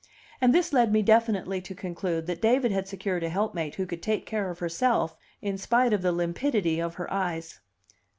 And this led me definitely to conclude that David had secured a helpmate who could take care of herself, in spite of the limpidity of her eyes.